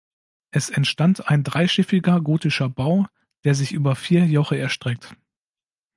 Es entstand ein dreischiffiger gotischer Bau der sich über vier Joche erstreckt.